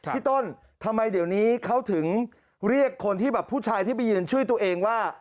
พี่ต้นทำไมเดี๋ยวนี้เขาถึงเรียกคนที่แบบผู้ชายที่ไปยืนช่วยตัวเองว่า